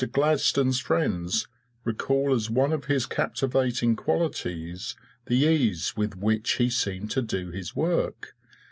Gladstone's friends recall as one of his captivating qualities the ease with which he seemed to do his work.